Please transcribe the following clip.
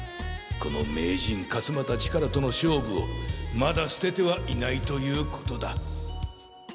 この名人勝又力との勝負をまだ捨ててはいないということだ。